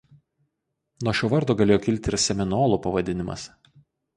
Nuo šio vardo galėjo kilti ir „seminolų“ pavadinimas.